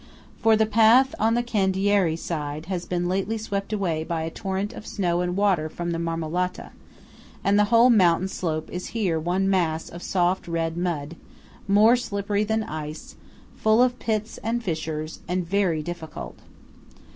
For the path on the Candiarei side has been lately swept away by a torrent of snow and water from the Marmolata, and the whole mountain slope is here one mass of soft red mud, more slippery than ice, full of pits and fissures, and very difficult.